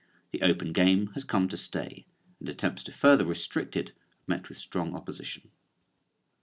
The open game has come to stay, and attempts to further restrict it have met with strong opposition.